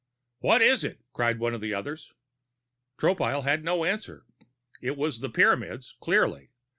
"What is it?" cried one of the others. Tropile had no answer. It was the Pyramids, clearly.